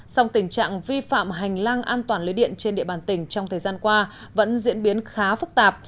song tình trạng vi phạm hành lang an toàn lưới điện trên địa bàn tỉnh trong thời gian qua vẫn diễn biến khá phức tạp